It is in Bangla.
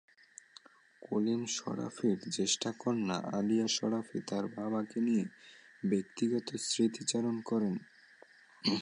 কলিম শরাফীর জ্যেষ্ঠা কন্যা আলিয়া শরাফী তাঁর বাবাকে নিয়ে ব্যক্তিগত স্মৃতিচারণ করেন।